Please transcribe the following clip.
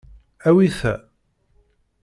Awi ta.